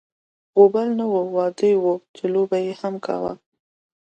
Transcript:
غوبل نه و، واده و چې لو به یې هم کاوه.